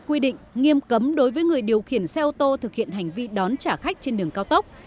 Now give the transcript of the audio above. quy định nghiêm cấm đối với người điều khiển xe ô tô thực hiện hành vi đón trả khách trên đường cao tốc